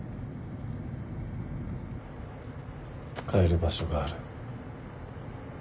帰る場所がある。